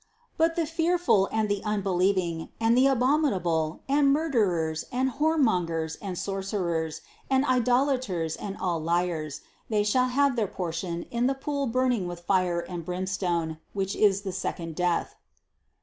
262. "But the fearful, and the unbelieving, and the abominable, and murderers, and whoremongers, and sor cerers, and idolaters, and all liars, they shall have their portion in the pool burning with fire and brimstone, which is the second death."